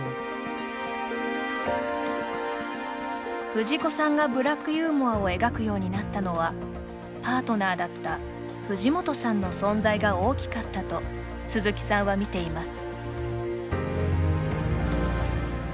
藤子さんがブラックユーモアを描くようになったのはパートナーだった藤本さんの存在が大きかったと鈴木さんは見ています。